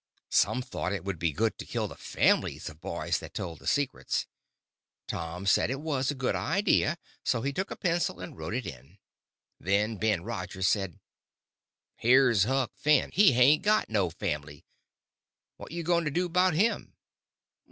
Some thought it would be good to kill the families of boys that told the secrets. Tom said it was a good idea, so he took a pencil and wrote it in. Then Ben Rogers says: "Here's Huck Finn, he hain't got no family; what you going to do 'bout him?"